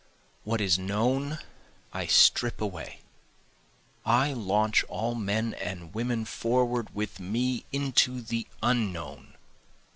What is known I strip away, I launch all men and women forward with me into the Unknown.